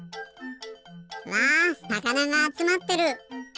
うわさかながあつまってる。